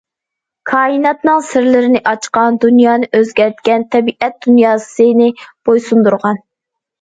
كائىناتنىڭ سىرلىرىنى ئاچقان، دۇنيانى ئۆزگەرتكەن، تەبىئەت دۇنياسىنى بويسۇندۇرغان.